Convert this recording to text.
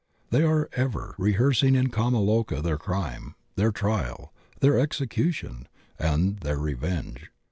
They are ever re hearsing in kama loka their crime, their trial, their execution, and their revenge.